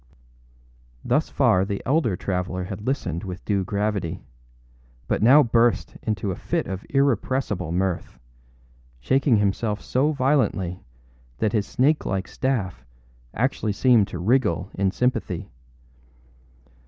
â Thus far the elder traveller had listened with due gravity; but now burst into a fit of irrepressible mirth, shaking himself so violently that his snake like staff actually seemed to wriggle in sympathy.